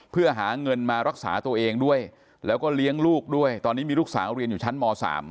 เพื่อหาเงินมารักษาตัวเองด้วยแล้วก็เลี้ยงลูกด้วยตอนนี้มีลูกสาวเรียนอยู่ชั้นม๓